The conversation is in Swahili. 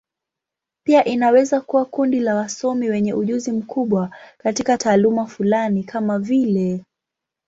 Pia inaweza kuwa kundi la wasomi wenye ujuzi mkubwa katika taaluma fulani, kama vile.